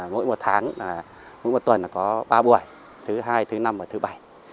mỗi một tháng là mỗi một tuần có ba buổi thứ hai thứ năm và thứ bảy